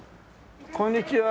こんにちは。